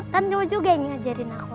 kan jauh juga yang ngajarin aku